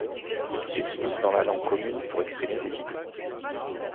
Elle s'utilise dans la langue commune pour exprimer des idées.